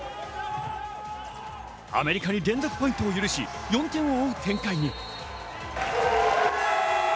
アメリカに連続ポイントを許し、４点を追う展開に。